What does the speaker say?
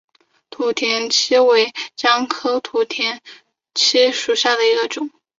土田七为姜科土田七属下的一个种。